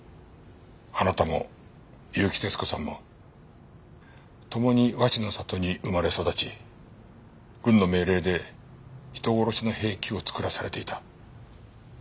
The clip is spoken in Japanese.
あなたも結城節子さんもともに和紙の里に生まれ育ち軍の命令で人殺しの兵器を作らされていた。